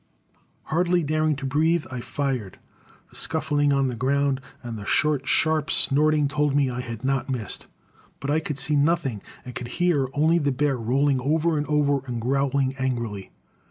Hardly daring to breathe, I fired; the scuffling on the ground, and the short, sharp snorting, told me I had not missed; but I could see nothing, and could only hear the bear rolling over and over and growling angrily.